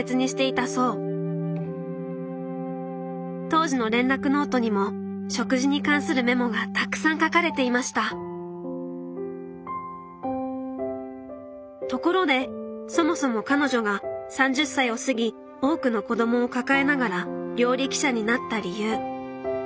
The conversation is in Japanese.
当時の連絡ノートにも食事に関するメモがたくさん書かれていましたところでそもそも彼女が３０歳を過ぎ多くの子供を抱えながら料理記者になった理由。